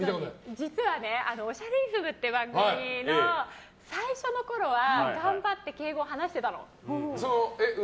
実は、「おしゃれイズム」っていう番組の最初のころは頑張って敬語を話してたの。